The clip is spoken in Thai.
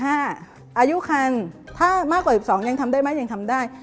อายุคันถ้ามากกว่า๑๒ยังทำได้ไหมยังทำได้